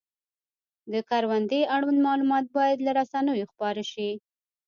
د کروندې اړوند معلومات باید له رسنیو خپاره شي.